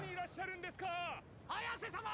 どこにいらっしゃるんですか！